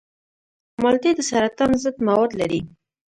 مالټې د سرطان ضد مواد لري.